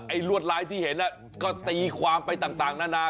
ลวดลายที่เห็นก็ตีความไปต่างนานา